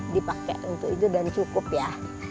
dipakai untuk itu dan cukup ya